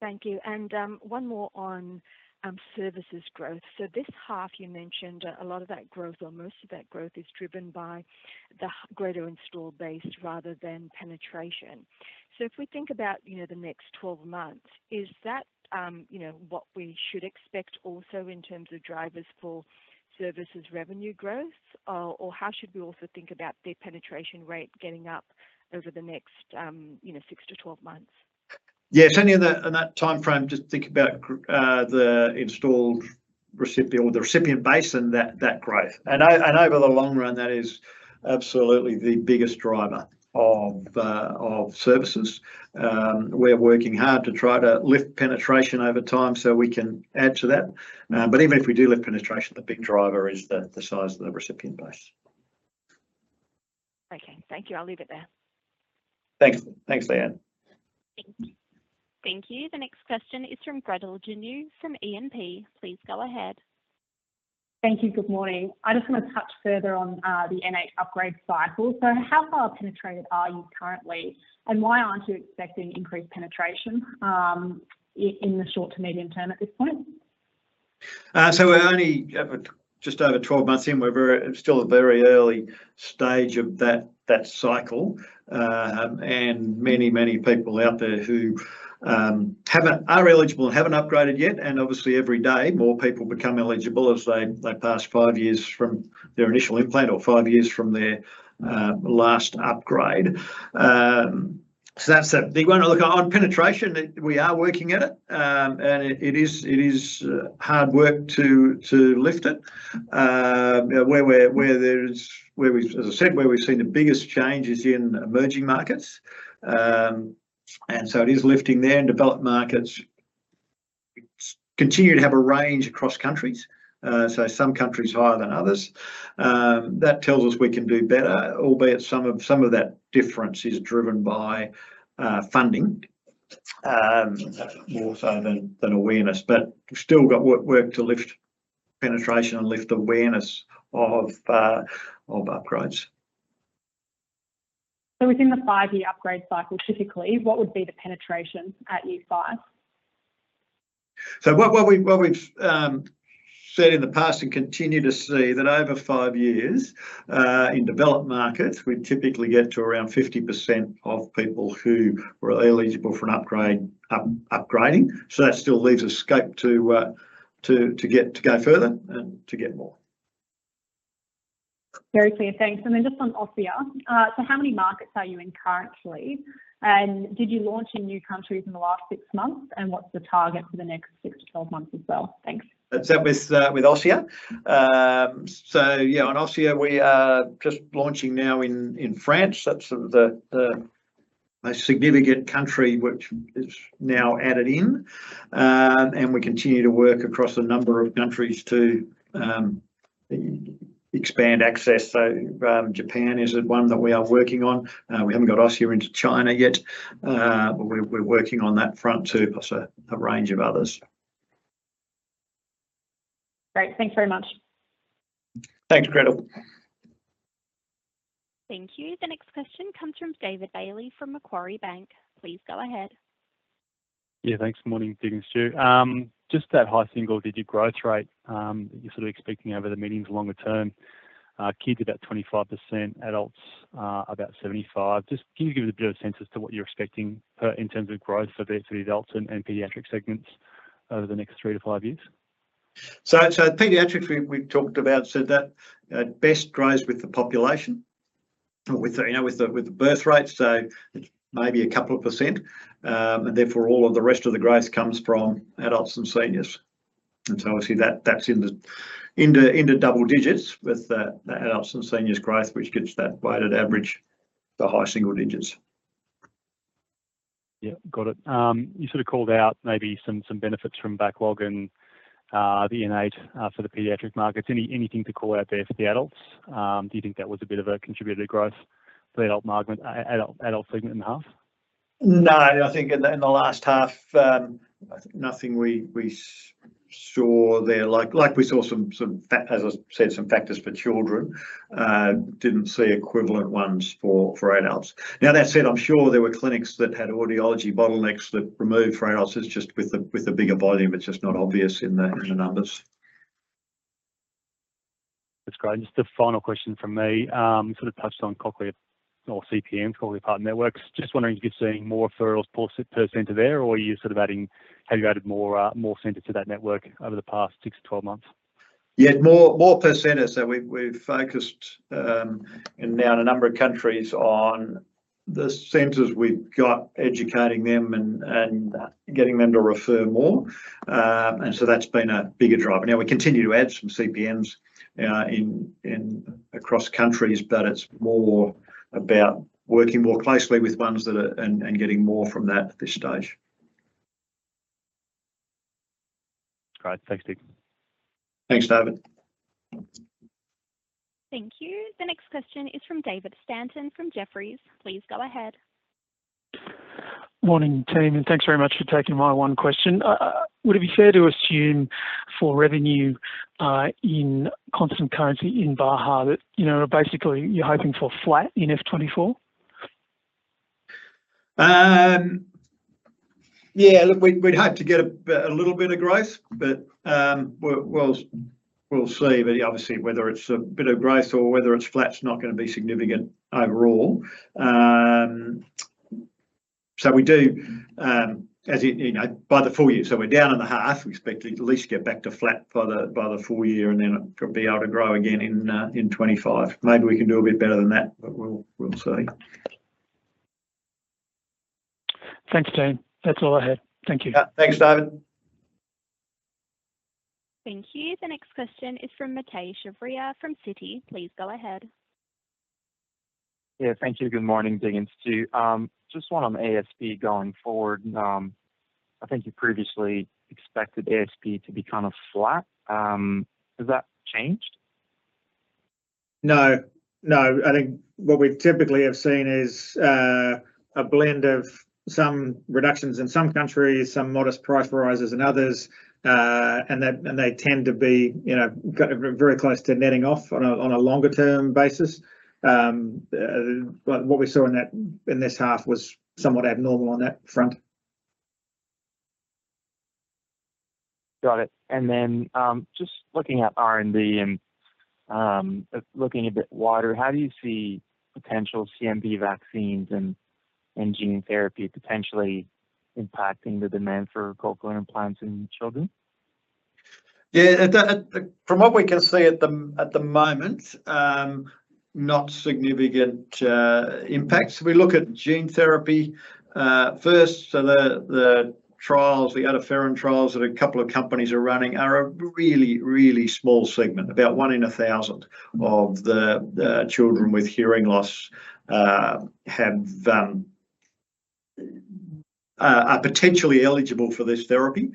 Thank you. And, one more on, services growth. So this half, you mentioned a lot of that growth, or most of that growth, is driven by the greater installed base rather than penetration. So if we think about, you know, the next twelve months, is that, you know, what we should expect also in terms of drivers for services revenue growth? Or, or how should we also think about the penetration rate getting up over the next, you know, six to twelve months? Yes, only in that, in that time frame, just think about the installed recipient or the recipient base and that, that growth. And over the long run, that is absolutely the biggest driver of services. We're working hard to try to lift penetration over time, so we can add to that. But even if we do lift penetration, the big driver is the, the size of the recipient base. Okay. Thank you. I'll leave it there. Thanks. Thanks, Lyanne. Thank you. Thank you. The next question is from Gretel Janu, from E&P. Please go ahead. Thank you. Good morning. I just want to touch further on the N8 upgrade cycle. So how far penetrated are you currently, and why aren't you expecting increased penetration in the short to medium term at this point? So we're only just over 12 months in. We're very—it's still a very early stage of that cycle. And many, many people out there who are eligible and haven't upgraded yet, and obviously, every day, more people become eligible as they pass 5 years from their initial implant or 5 years from their last upgrade. So that's a big one to look at. On penetration, we are working at it, and it is hard work to lift it. As I said, where we've seen the biggest change is in emerging markets. And so it is lifting there. In developed markets continue to have a range across countries, so some countries higher than others. That tells us we can do better, albeit some of that difference is driven by funding, more so than awareness. But we've still got work to lift penetration and lift awareness of upgrades. Within the five-year upgrade cycle, typically, what would be the penetration at year five? So what we've seen in the past and continue to see, that over five years in developed markets, we'd typically get to around 50% of people who are eligible for an upgrade, upgrading. So that still leaves a scope to go further and to get more. Very clear, thanks. And then just on Osia. So how many markets are you in currently? And did you launch in new countries in the last 6 months? And what's the target for the next 6-12 months as well? Thanks. Is that with Osia? So yeah, on Osia, we are just launching now in France. That's the significant country which is now added in. And we continue to work across a number of countries to expand access, so Japan is one that we are working on. We haven't got Osia into China yet, but we're working on that front too, plus a range of others. Great. Thanks very much. Thanks, Gretel. Thank you. The next question comes from David Bailey from Macquarie Group. Please go ahead. Yeah, thanks. Morning, Dig and Stuart. Just that high single-digit growth rate, you're sort of expecting over the medium to longer term, kids about 25%, adults, about 75%. Just can you give us a bit of a sense as to what you're expecting, in terms of growth for the adults and, and pediatric segments over the next 3 to 5 years? So, pediatrics, we've talked about, so that at best grows with the population, you know, with the birth rate, so maybe a couple of percent. And therefore, all of the rest of the growth comes from adults and seniors. And so obviously, that's in the double digits with the adults and seniors growth, which gets that weighted average, the high single digits. Yeah. Got it. You sort of called out maybe some, some benefits from backlog and in H1 for the pediatric markets. Anything to call out there for the adults? Do you think that was a bit of a contributor to growth for the adult market, adult segment in H1? No, I think in the last half, nothing we saw there, like we saw some... As I said, some factors for children, didn't see equivalent ones for adults. Now, that said, I'm sure there were clinics that had audiology bottlenecks that removed for adults. It's just with the bigger volume, it's just not obvious in the- Got you... in the numbers. That's great. Just a final question from me. You sort of touched on Cochlear or CPN, Cochlear Provider Network. Just wondering if you're seeing more referrals for per center there, or are you sort of adding, have you added more, more centers to that network over the past 6-12 months? Yeah, more, more per center. So we've focused in now in a number of countries on the centers we've got, educating them and getting them to refer more. And so that's been a bigger driver. Now, we continue to add some CPNs in across countries, but it's more about working more closely with ones that are... And getting more from that at this stage. Great. Thanks, Dig. Thanks, David. Thank you. The next question is from David Stanton from Jefferies. Please go ahead. Morning, team, and thanks very much for taking my one question. Would it be fair to assume for revenue, in constant currency in Baha, that, you know, basically, you're hoping for flat in FY 2024? Yeah, look, we'd hope to get a little bit of growth, but we'll see. But obviously, whether it's a bit of growth or whether it's flat, it's not gonna be significant overall. So, as you know, by the full year, so we're down in the half. We expect to at least get back to flat by the full year, and then be able to grow again in 2025. Maybe we can do a bit better than that, but we'll see. Thanks, team. That's all I had. Thank you. Yeah. Thanks, David. Thank you. The next question is from Mathieu Chevrier from Citi. Please go ahead. Yeah, thank you. Good morning, Dig and Stuart. Just one on ASP going forward. I think you previously expected ASP to be kind of flat. Has that changed? No, no. I think what we've typically have seen is a blend of some reductions in some countries, some modest price rises in others, and they tend to be, you know, very close to netting off on a longer term basis. But what we saw in this half was somewhat abnormal on that front. Got it. And then, just looking at R&D and looking a bit wider, how do you see potential CMV vaccines and gene therapy potentially impacting the demand for cochlear implants in children? Yeah, from what we can see at the moment, not significant impacts. If we look at gene therapy first, so the trials, the Otoferlin trials that a couple of companies are running are a really, really small segment. About one in a thousand of the children with hearing loss have them... are potentially eligible for this therapy.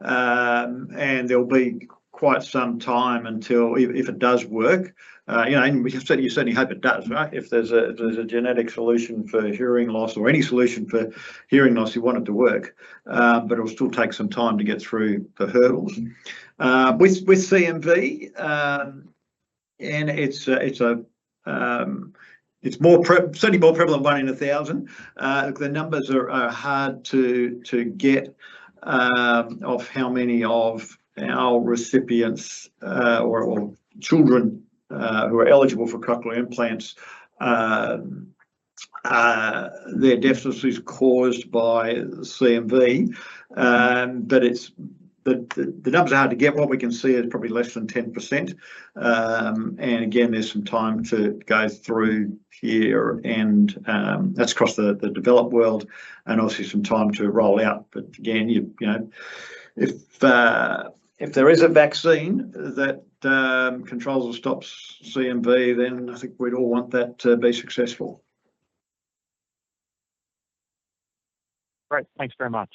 And there'll be quite some time until, if it does work, you know, and you certainly, you certainly hope it does, right? If there's a genetic solution for hearing loss or any solution for hearing loss, you want it to work. But it'll still take some time to get through the hurdles. With CMV, and it's certainly more prevalent than one in a thousand. The numbers are hard to get of how many of our recipients or children who are eligible for cochlear implants their deafness is caused by CMV. But the numbers are hard to get. What we can see is probably less than 10%. And again, there's some time to go through here, and that's across the developed world, and obviously some time to roll out. But again, you know, if there is a vaccine that controls or stops CMV, then I think we'd all want that to be successful. Great. Thanks very much.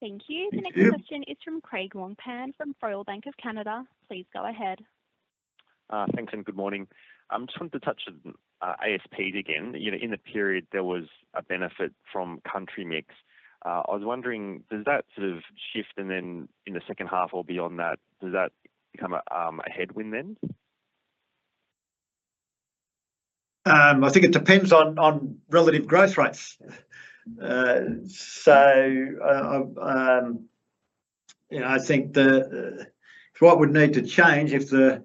Thank you. Thank you. The next question is from Craig Wong-Pan from Royal Bank of Canada. Please go ahead. Thanks, and good morning. I just wanted to touch on ASPs again. You know, in the period, there was a benefit from country mix. I was wondering, does that sort of shift and then in the second half or beyond that, does that become a headwind then? I think it depends on relative growth rates. So, you know, I think what would need to change if the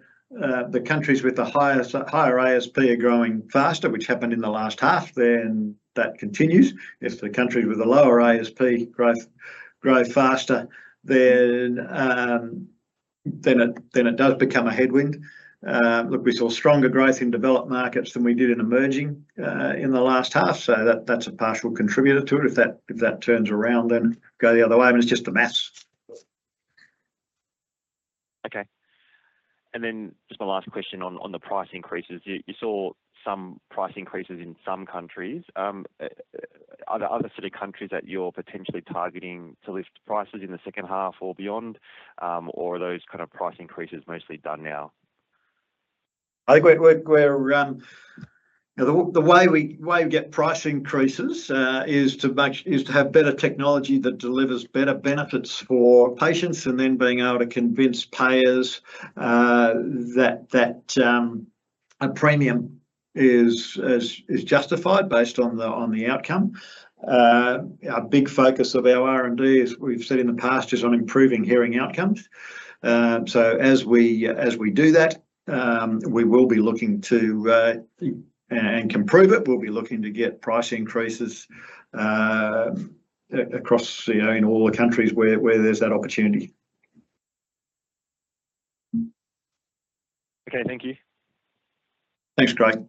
countries with the higher ASP are growing faster, which happened in the last half, then that continues. If the countries with the lower ASP growth grow faster, then it does become a headwind. Look, we saw stronger growth in developed markets than we did in emerging in the last half, so that's a partial contributor to it. If that turns around, then go the other way. I mean, it's just the math. Okay. And then just my last question on the price increases. You saw some price increases in some countries. Are there other sort of countries that you're potentially targeting to lift prices in the second half or beyond, or are those kind of price increases mostly done now? I think we're you know the way we get price increases is to have better technology that delivers better benefits for patients, and then being able to convince payers that a premium is justified based on the outcome. A big focus of our R&D, as we've said in the past, is on improving hearing outcomes. So as we do that, we will be looking to and can prove it, we'll be looking to get price increases across you know in all the countries where there's that opportunity. Okay. Thank you. Thanks, Craig.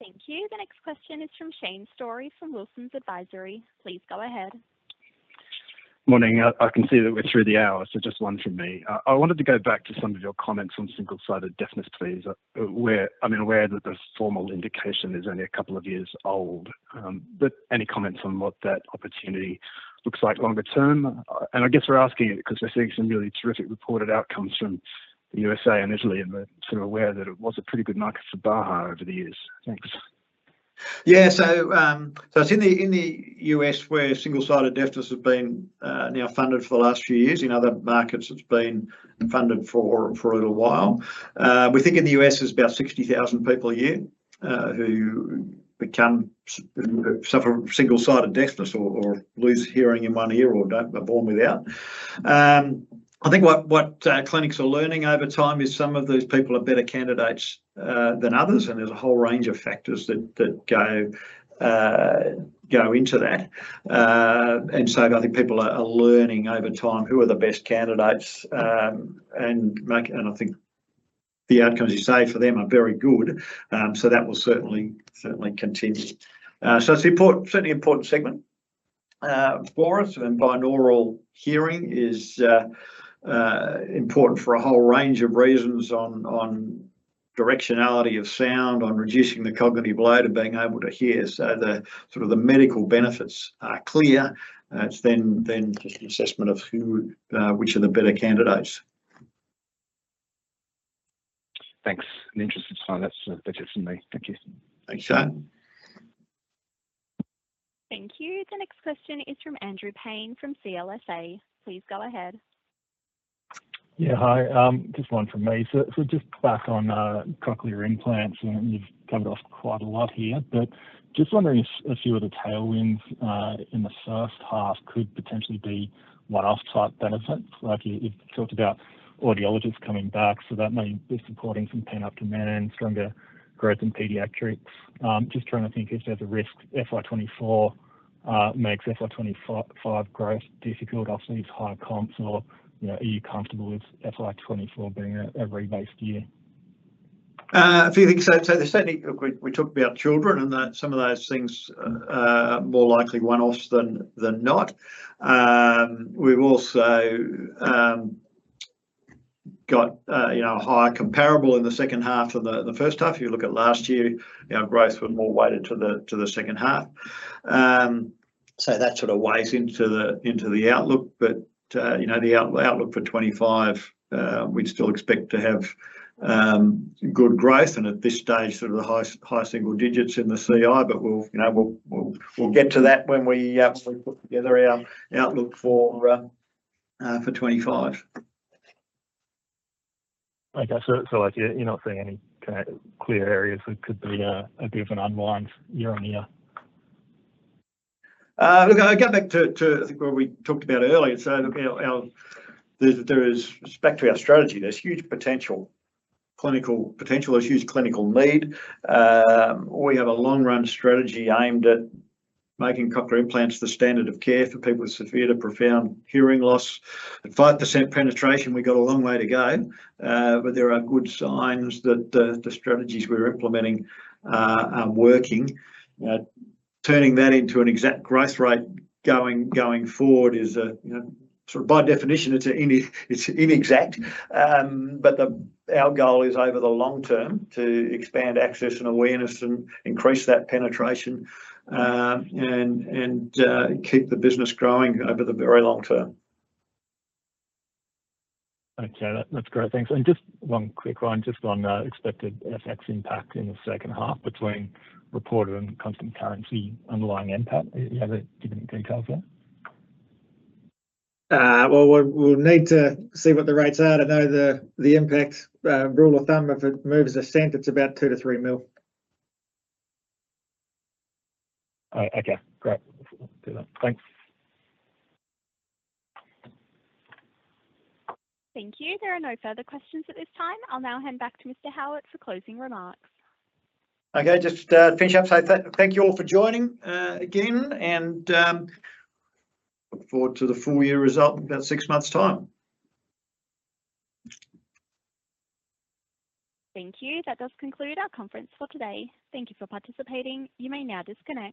Thank you. The next question is from Shane Storey from Wilsons Advisory. Please go ahead. Morning. I can see that we're through the hour, so just one from me. I wanted to go back to some of your comments on Single-sided deafness, please. I'm aware that the formal indication is only a couple of years old, but any comments on what that opportunity looks like longer term? And I guess we're asking it 'cause we're seeing some really terrific reported outcomes from the U.S.A. and Italy, and we're sort of aware that it was a pretty good market for Baha over the years. Thanks. Yeah, so it's in the U.S. where single-sided deafness has been now funded for the last few years. In other markets, it's been funded for a little while. We think in the U.S., there's about 60,000 people a year who become suffer single-sided deafness or lose hearing in one ear or are born without. I think what clinics are learning over time is some of these people are better candidates than others, and there's a whole range of factors that go into that. And so I think people are learning over time who are the best candidates, and I think the outcomes, you say, for them are very good. So that will certainly continue. So it's important, certainly an important segment for us, and binaural hearing is important for a whole range of reasons on directionality of sound, on reducing the cognitive load of being able to hear. So, sort of, the medical benefits are clear. It's then just the assessment of who which are the better candidates. Thanks. I'm interested to know. That's, that's it from me. Thank you. Thanks, Shane. Thank you. The next question is from Andrew Paine, from CLSA. Please go ahead. Yeah, hi. Just one from me. So, just back on cochlear implants, and you've covered off quite a lot here, but just wondering if a few of the tailwinds in the first half could potentially be one-off type benefits? Like, you've talked about audiologists coming back, so that may be supporting some pent-up demand, stronger growth in pediatrics. Just trying to think if there's a risk FY 2024 makes FY 2025 growth difficult off these higher comps, or, you know, are you comfortable with FY 2024 being a rebased year? A few things. So, there's certainly... Look, we talked about children and that some of those things are more likely one-offs than not. We've also got, you know, a higher comparable in the second half than the first half. If you look at last year, our growth was more weighted to the second half. So that sort of weighs into the outlook. But, you know, the outlook for 2025, we'd still expect to have good growth, and at this stage, sort of the high single digits in the CI, but we'll, you know, get to that when we sort of put together our outlook for 2025. Okay. So, like, you're not seeing any kind of clear areas that could be a bit of an unwind year-on-year? Look, I go back to, I think what we talked about earlier. So, you know, there's, there is, back to our strategy, there's huge potential, clinical potential. There's huge clinical need. We have a long-run strategy aimed at making cochlear implants the standard of care for people with severe to profound hearing loss. At 5% penetration, we've got a long way to go, but there are good signs that the strategies we're implementing are working. Turning that into an exact growth rate going forward is a, you know, sort of by definition, it's inexact. But our goal is, over the long term, to expand access and awareness and increase that penetration, and keep the business growing over the very long term. Okay, that's great. Thanks. Just one quick one, just on expected FX impact in the second half between reported and constant currency underlying NPAT. Do you have any details there? Well, we'll need to see what the rates are to know the impact. Rule of thumb, if it moves a cent, it's about 2 million-3 million. Okay, great. We'll do that. Thanks. Thank you. There are no further questions at this time. I'll now hand back to Mr. Howitt for closing remarks. Okay, just to finish up, so thank you all for joining again, and look forward to the full-year result in about six months' time. Thank you. That does conclude our conference for today. Thank you for participating. You may now disconnect.